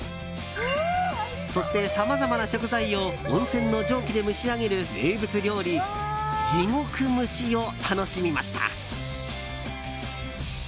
そして、さまざまな食材を温泉の蒸気で蒸し上げる名物料理地獄蒸しを楽しみました。